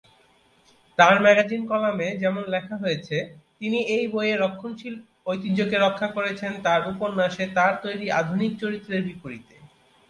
তার ম্যাগাজিন কলামে যেমন লেখা হয়েছে, তিনি এই বইয়ে রক্ষণশীল ঐতিহ্যকে রক্ষা করেছেন তার উপন্যাসে তার তৈরি আধুনিক চরিত্রের বিপরীতে।